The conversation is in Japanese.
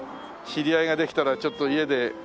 知り合いができたらちょっと家でおでんなんてね。